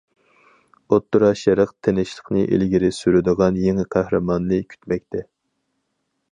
ئوتتۇرا شەرق تىنچلىقنى ئىلگىرى سۈرىدىغان يېڭى قەھرىماننى كۈتمەكتە!